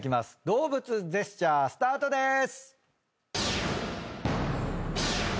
動物ジェスチャースタートでーす！